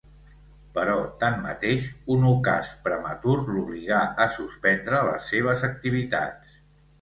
Però tanmateix, un ocàs prematur l'obligà a suspendre les seves activitats.